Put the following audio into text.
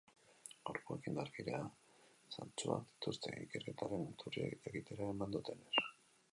Gorpuek indarkeria zantzuak dituzte, ikerketaren iturriek jakitera eman dutenez.